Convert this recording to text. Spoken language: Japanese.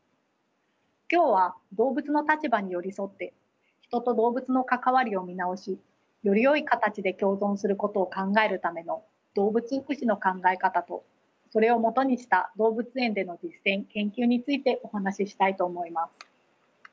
今日は動物の立場に寄り添って人と動物の関わりを見直しよりよい形で共存することを考えるための動物福祉の考え方とそれをもとにした動物園での実践研究についてお話ししたいと思います。